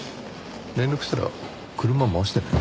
連絡したら車回してね。